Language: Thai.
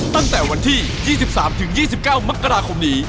ตั้งแต่วันที่๒๓๒๙มกราคมนี้